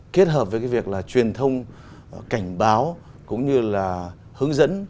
kết hợp với cái việc là truyền thông cảnh báo cũng như là hướng dẫn